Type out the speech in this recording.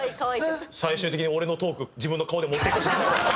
最終的に俺のトーク自分の顔で持っていこうとした！